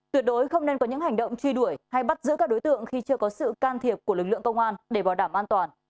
tuyệt đối không nên có những hành động truy đuổi hay bắt giữ các đối tượng khi chưa có sự can thiệp của lực lượng công an để bảo đảm an toàn